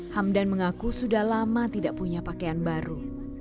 hamdan mengaku sudah lama tidak punya pakaian baru